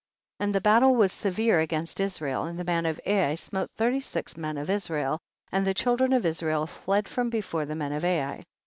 28. And the battle was severe against Israel, and the men of Ai smote thirty six men of Israel, and the children of Israel fled from before the men of Ai.